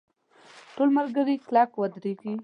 ټول ملګري کلک ودرېږئ!.